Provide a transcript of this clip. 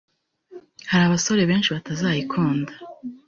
hari abasore benshi batazayikunda,